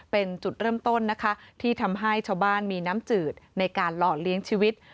เป็นจุดเริ่มต้นนะคะที่ทำให้ชาวบ้านมีน้ำจืดในการหล่อเลี้ยงชีวิต